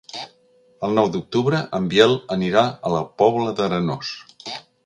El nou d'octubre en Biel anirà a la Pobla d'Arenós.